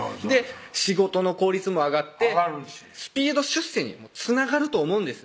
仕事の効率も上がってスピード出世にも繋がると思うんです